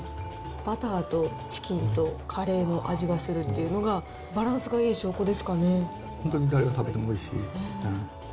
バターとチキンとカレーの味がするっていうのが、本当に誰が食べてもおいしい。